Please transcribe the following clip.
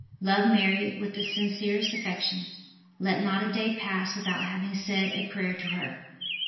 Love Mary with the sincerest affection. Let not a day pass without having said a prayer to her.